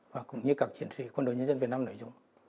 và cũng như các chiến sĩ quân đội nhân dân việt nam nói chung